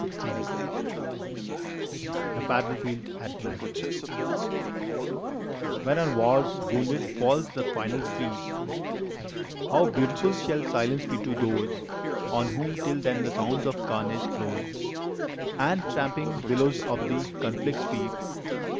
ON THE GREAT WAR THE BATTLEFIELD AT NIGHT When on war s wounded falls the final sleep, How beautiful shall silence be to those On whom till then the sounds of carnage close And tramping billows of the conflict sweep